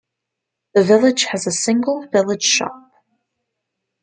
The village has a single village shop.